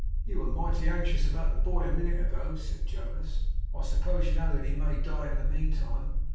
'You were mighty anxious about the boy, a minute ago,' said Jonas. 'I suppose you know that he may die in the meantime?